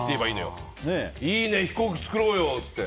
いいね、飛行機作ろうよって。